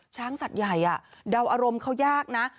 ช้างสัตว์ใหญ่เดาอารมณ์เขายากนะ